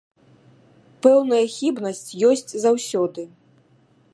Пэўная хібнасць ёсць заўсёды.